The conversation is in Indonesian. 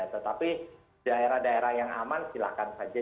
tetapi daerah daerah yang aman silahkan saja